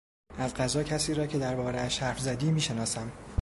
از قضا کسی را که دربارهاش حرف زدی میشناسم.